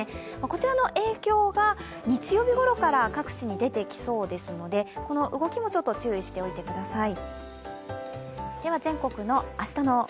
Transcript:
こちらの影響が日曜日ごろから各地に出てきそうですので、この動きも注意しておいてください。